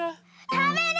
たべる！